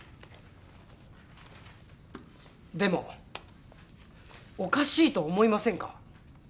でもおかしいと思いませんか？